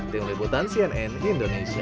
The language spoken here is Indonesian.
tim liputan cnn indonesia